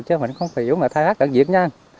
chứ mình không phải dưỡng lại khai thác cả việc nha